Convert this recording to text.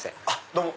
どうも！